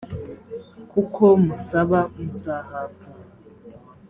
kuko musaba muzahabwa